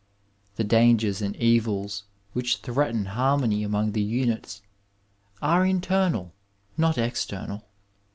The dangers and evils which threaten harmony among the units, are internal, not external.